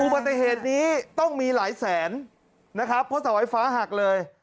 ปฏิเหตุนี้ต้องมีหลายแสนนะครับเพราะเสาไฟฟ้าหักเลย